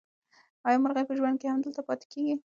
آیا مرغۍ په ژمي کې هم دلته پاتې کېږي؟